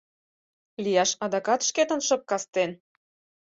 Лияш адакат шкетын шып кастен?